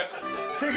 ◆正解。